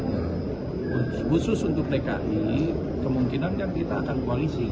khusus untuk tki kemungkinan kan kita akan koalisi